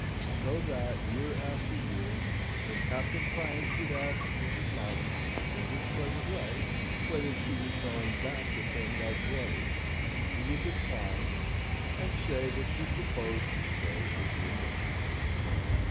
So that, year after year, when Captain Franks would ask Mrs. Mountain, in his pleasant way, whether she was going back with him that voyage? she would decline, and say that she proposed to stay a year more.